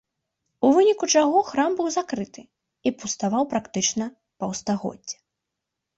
У выніку чаго храм быў закрыты і пуставаў практычна паўстагоддзя.